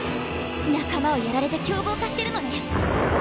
仲間をやられて凶暴化してるのね。